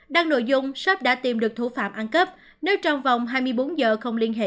đăng nội dung shop đã tìm được thủ phạm ăn cấp nếu trong vòng hai mươi bốn giờ không liên hệ